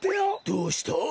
どうした！？